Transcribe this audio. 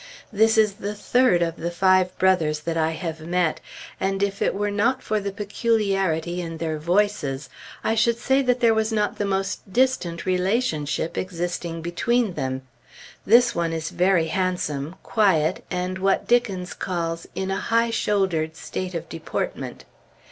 This is the third of the five brothers that I have met, and if it were not for the peculiarity in their voices, I should say that there was not the most distant relationship existing between them. This one is very handsome, quiet, and what Dickens calls "in a high shouldered state of deportment."